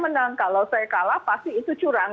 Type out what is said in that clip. menang kalau saya kalah pasti itu curang